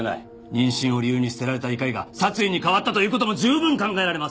妊娠を理由に捨てられた怒りが殺意に変わったという事も十分考えられます！